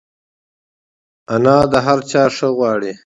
انا د هر چا ښه غواړي